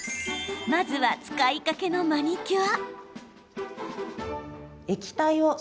まずは、使いかけのマニキュア。